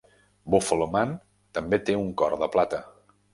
"Buffalo Man" també té un cor de plata.